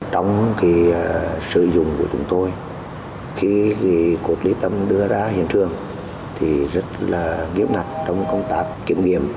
trong khi sử dụng của chúng tôi khi cột ly tâm đưa ra hiện trường thì rất là nghiếp ngặt trong công tác kiểm nghiệm